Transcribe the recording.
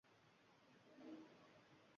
Qad rostlashib boqdi qartaygan